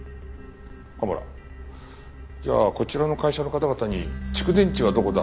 蒲原じゃあこちらの会社の方々に蓄電池はどこだ？